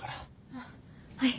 あっはい。